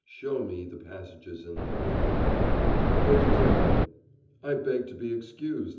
Show me the passages in the Book. VEGETARIAN: I beg to be excused.